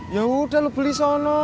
yaudah lo beli sana